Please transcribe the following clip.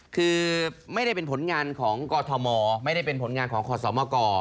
คือไม่ได้เป็นผลงานของกอทมไม่ได้เป็นผลงานของขอสมก